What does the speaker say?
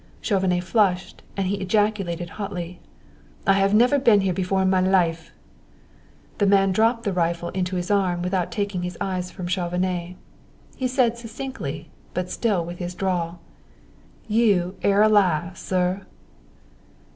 Chauvenet flushed and he ejaculated hotly: "I have never been here before in my life." The man dropped the rifle into his arm without taking his eyes from Chauvenet. He said succinctly, but still with his drawl: "You air a liar, seh!"